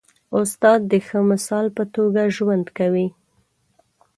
استاد د ښه مثال په توګه ژوند کوي.